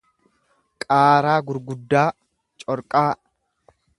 qaaraa gurguddaa, corqaa.